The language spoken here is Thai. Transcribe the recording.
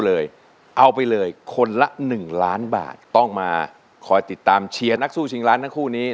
เอาไปเลยคนละ๑ล้านบาทต้องมาคอยติดตามเชียร์นักสู้ชิงล้านทั้งคู่นี้